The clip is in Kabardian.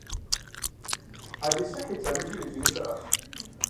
Ӏэлисахь и лъэмыжыр иджыри щыӏэжщ.